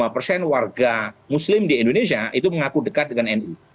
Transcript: lima persen warga muslim di indonesia itu mengaku dekat dengan nu